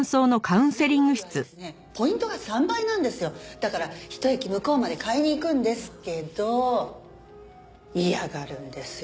だからひと駅向こうまで買いに行くんですけど嫌がるんですよ